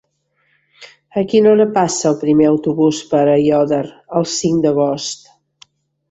A quina hora passa el primer autobús per Aiòder el cinc d'agost?